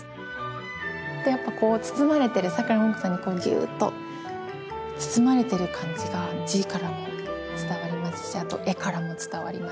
やっぱこう包まれてるさくらももこさんにこうぎゅっと。包まれてる感じが字からも伝わりますしあと絵からも伝わりますし。